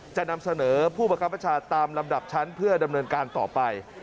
จะนำเสนอผู้ประคับประชาตามลำดับชั้นเพื่อดำเนินการต่อไป